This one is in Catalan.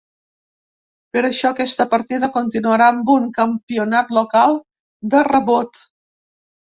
Per això aquesta partida continuarà amb un campionat local de rebot.